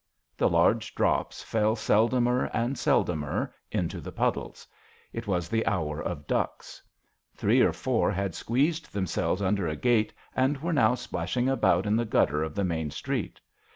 The large drops fell seldomer and seldomer into the puddles. It was the hour of ducks. Three or four had squeezed themselves under a gate, and were now splashing about in the gutter of the main street.